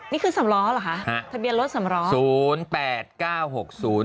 นี่คือสำล้อเหรอคะทะเบียนรถสำล้อ